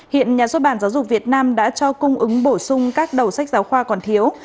hiện nhà xuất bản giáo dục việt nam đã cho cung ứng bổ sung các đầu sách giáo khoa còn thiếu